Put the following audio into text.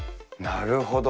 なるほど。